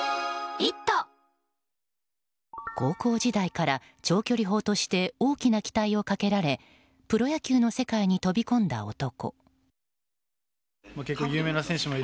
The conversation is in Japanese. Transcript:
高校時代から長距離砲として大きな期待をかけられプロ野球の世界に飛び込んだ男。